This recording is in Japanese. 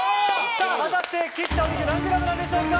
果たして切ったお肉何グラム何でしょうか。